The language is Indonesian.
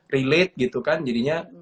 relate gitu kan jadinya